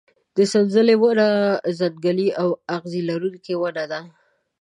د سنځلې ونه ځنګلي او اغزي لرونکې ونه ده.